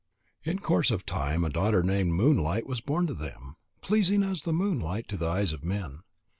In course of time a daughter named Moonlight was born to them, pleasing as the moonlight to the eyes of men.